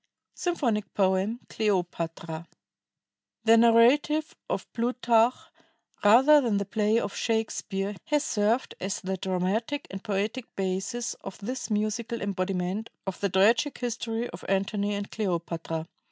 SYMPHONIC POEM, "CLEOPATRA" The narrative of Plutarch, rather than the play of Shakespeare, has served as the dramatic and poetic basis of this musical embodiment of the tragic history of Antony and Cleopatra.